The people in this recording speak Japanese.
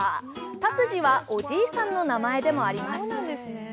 タツジはおじいさんの名前でもあります。